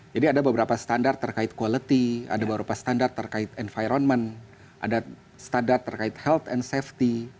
jadi ada beberapa standar terkait quality ada beberapa standar terkait environment ada standar terkait health and safety